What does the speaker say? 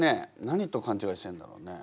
何とかんちがいしてるんだろうね。